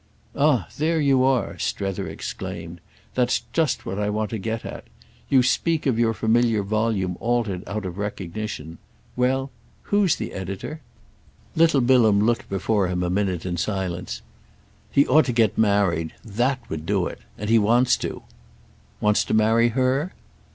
"Ah there you are!" Strether exclaimed. "That's just what I want to get at. You speak of your familiar volume altered out of recognition. Well, who's the editor?" Little Bilham looked before him a minute in silence. "He ought to get married. That would do it. And he wants to." "Wants to marry her?"